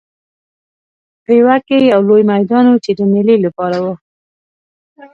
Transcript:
پېوه کې یو لوی میدان و چې د مېلې لپاره و.